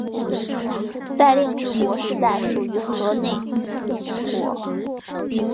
在令制国时代属于河内国。